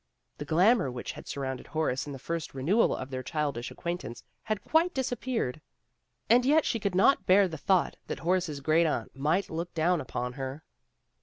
The glamor which had surrounded Horace in the first re newal of their childish acquaintance had quite disappeared, and yet she could not bear the thought that Horace's great aunt might look down upon her.